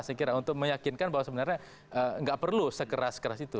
saya kira untuk meyakinkan bahwa sebenarnya nggak perlu sekeras keras itu